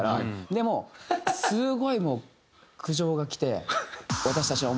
でもすごいもう苦情がきて。